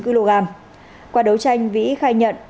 chín kg qua đấu tranh vĩ khai nhận